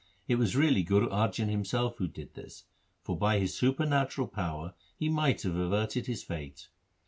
It was really Guru Arjan himself who did this, for by his supernatural power he might have averted his fate.